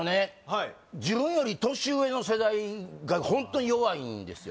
はい自分より年上の世代がホント弱いんですよ